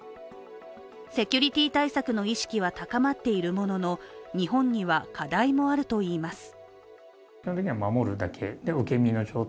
セキュリティー対策の意識は高まっているものの日本には課題もあるといいます。